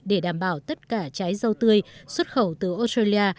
để đảm bảo tất cả trái rau tươi xuất khẩu từ australia